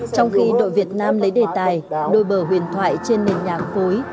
trong khi đội việt nam lấy đề tài đôi bờ huyền thoại trên nền nhạc phối